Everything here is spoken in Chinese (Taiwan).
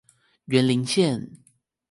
員林線